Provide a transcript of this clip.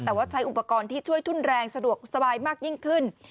แต่ว่าใช้อุปกรณ์ที่ช่วยทุนแรงสะดวกสบายมากยิ่งขึ้น